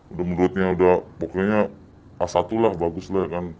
udah menurutnya udah pokoknya a satu lah bagus lah kan